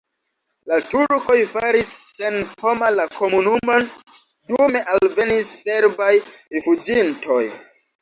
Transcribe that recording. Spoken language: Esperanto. La turkoj faris senhoma la komunumon, dume alvenis serbaj rifuĝintoj.